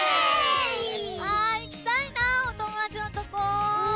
あいきたいなおともだちのとこ。